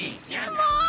もう！